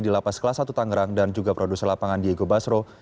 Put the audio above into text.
di lapas kelas satu tangerang dan juga produser lapangan diego basro